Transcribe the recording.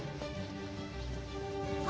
あ。